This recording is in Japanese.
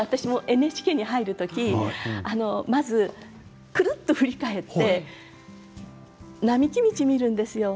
ＮＨＫに入る時まず、くるっと振り返って並木道を見るんですよ。